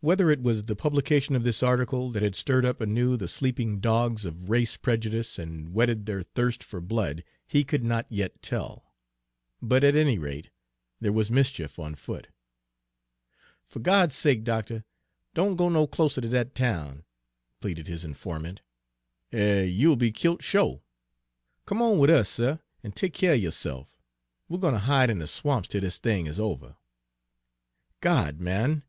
Whether it was the republication of this article that had stirred up anew the sleeping dogs of race prejudice and whetted their thirst for blood, he could not yet tell; but at any rate, there was mischief on foot. "Fer God's sake, doctuh, don' go no closeter ter dat town," pleaded his informant, "er you'll be killt sho'. Come on wid us, suh, an' tek keer er yo'se'f. We're gwine ter hide in de swamps till dis thing is over!" "God, man!"